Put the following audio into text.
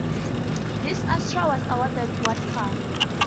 This Astra was awarded What Car?